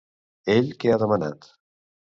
Ell què ha demanat?